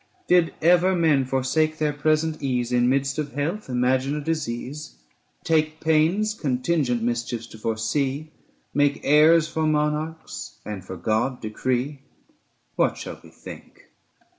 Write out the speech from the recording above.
Did ever men forsake their present ease, 755 In midst of health imagine a disease, Take pains contingent mischiefs to foresee, Make heirs for monarchs, and for God decree ? What shall we think?